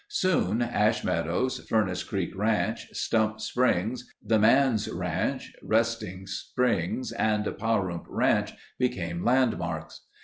Soon Ash Meadows, Furnace Creek Ranch, Stump Springs, the Manse Ranch, Resting Springs, and Pahrump Ranch became landmarks.